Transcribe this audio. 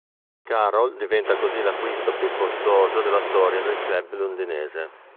Carroll diventa così l'acquisto più costoso della storia del club londinese.